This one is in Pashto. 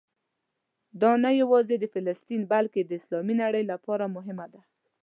دا نه یوازې د فلسطین بلکې د اسلامي نړۍ لپاره مهمه ده.